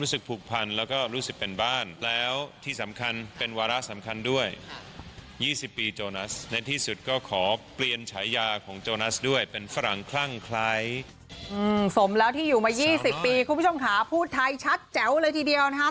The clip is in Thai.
สมแล้วที่อยู่มา๒๐ปีคุณผู้ชมค่ะพูดไทยชัดแจ๋วเลยทีเดียวนะคะ